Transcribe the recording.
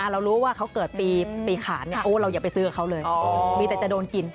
เรารู้ว่าเขาเกิดปีขาดเราอย่าไปซื้อกับเขาเลยมีแต่จะโดนกิน